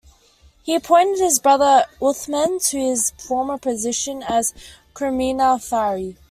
He appointed his brother Uthman to his former position as Kurmina-fari.